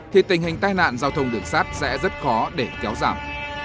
thì tình hình tai nạn giao thông đường sát sẽ rất khó để kéo giảm